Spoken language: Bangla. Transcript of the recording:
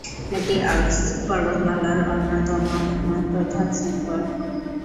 এটি আল্পস পর্বতমালার অন্যতম প্রধান শৃঙ্গ।